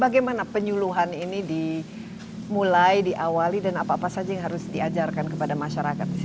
bagaimana penyuluhan ini dimulai diawali dan apa apa saja yang harus diajarkan kepada masyarakat di sini